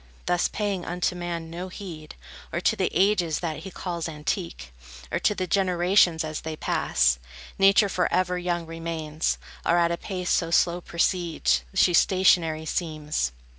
Thus, paying unto man no heed, Or to the ages that he calls antique, Or to the generations as they pass, Nature forever young remains, Or at a pace so slow proceeds, She stationary seems.